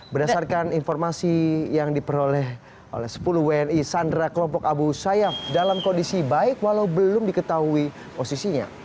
berdasarkan informasi yang diperoleh oleh sepuluh wni sandra kelompok abu sayyaf dalam kondisi baik walau belum diketahui posisinya